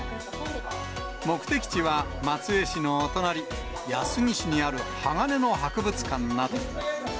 目的地は、松江市のお隣、安来市にある鋼の博物館など。